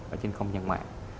ở trên không gian mạng